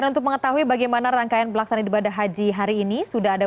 dan untuk mengetahui bagaimana rangkaian pelaksanaan ibadah haji hari ini sudah ada